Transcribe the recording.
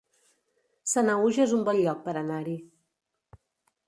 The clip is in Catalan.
Sanaüja es un bon lloc per anar-hi